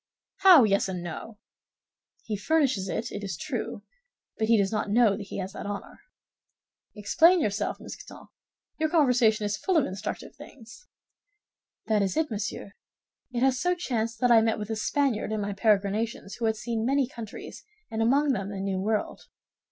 "How yes and no?" "He furnishes it, it is true, but he does not know that he has that honor." "Explain yourself, Mousqueton; your conversation is full of instructive things." "That is it, monsieur. It has so chanced that I met with a Spaniard in my peregrinations who had seen many countries, and among them the New World."